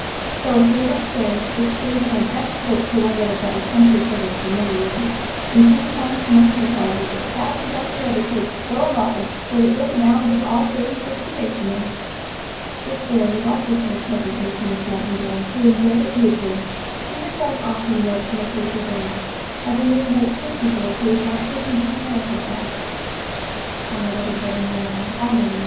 So I hurried upstairs, exchanged my best coat for one that had done country service for many years and came home from my tea party the proud possessor of a cake so large that it went the round of all the thirty six probationers." This story also was told presently to Miss Nightingale, who enjoyed it hugely. She herself often wrote in a playful vein; as in this note to a pupil who was not taking due care of herself: "Ah, what a villain you are! _I knowed yer!